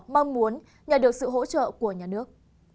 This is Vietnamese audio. mong muốn nhận được sự hỗ trợ của nhà nước